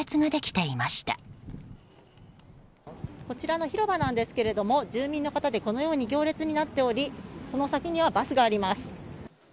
こちらの広場なんですが住民の方でこのように行列になっておりその先にはバスがあります。